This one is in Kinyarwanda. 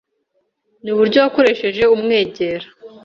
ni uburyo wakoresheje umwegera